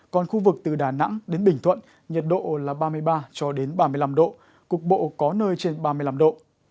còn khu vực từ đà nẵng đến bình thuận nhiệt độ là ba mươi ba cho đến ba mươi năm độ cục bộ có nơi trên ba mươi năm độ